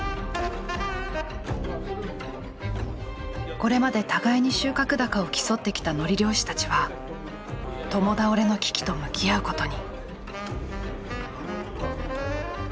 これまで互いに収穫高を競ってきたのり漁師たちは共倒れの危機と向き合うことに。